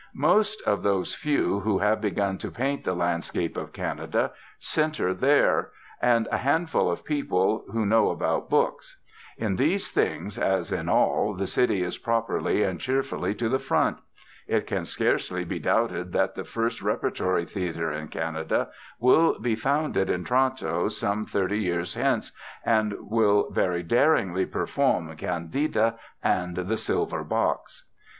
Most of those few who have begun to paint the landscape of Canada centre there, and a handful of people who know about books. In these things, as in all, this city is properly and cheerfully to the front. It can scarcely be doubted that the first Repertory Theatre in Canada will be founded in Toronto, some thirty years hence, and will very daringly perform Candida and The Silver Box.